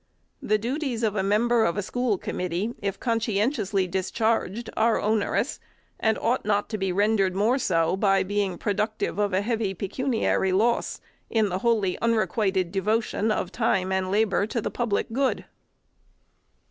The duties of a member of a school committee, if conscientiously discharged, are oner ous ; and ought not to be rendered more so, by being productive of a heavy pecuniary loss, in the wholly unre quited devotion of time and labor to the public good.